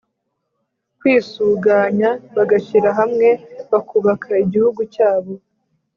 kwisuganya, bagashyira hamwe, bakubaka igihugu cyabo.